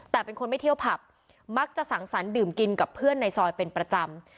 แต่เป็นคนไม่เที่ยวผับมักจะสังสรรค์ดื่มกินกับเพื่อนในซอยเป็นประจำ